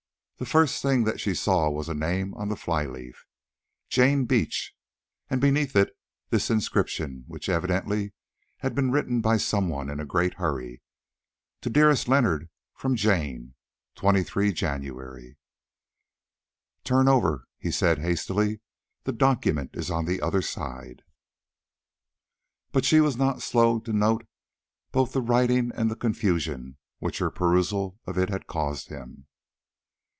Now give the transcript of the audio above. The first thing that she saw was a name on the fly leaf, "Jane Beach," and beneath it this inscription, which evidently had been written by some one in a great hurry: "To dearest Leonard from Jane. 23 Jan." "Turn over," he said hastily; "the document is on the other side." She was not slow to note both the writing and the confusion which her perusal of it caused him.